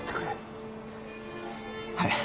はい。